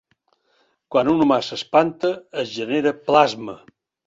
Quan un humà s'espanta, es genera plasma.